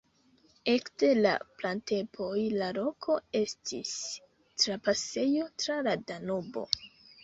Ekde la pratempoj la loko estis trapasejo tra la Danubo.